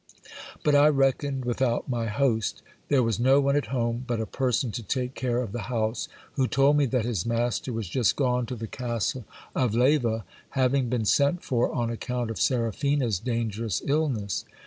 But I reckoned with out my host. There was no one at home but a person to take care of the house, who told me that his master was just gone to the castle of Leyva, having been sent for on account of Seraphina's dangerous illness.